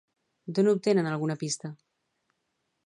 D'on obtenen alguna pista?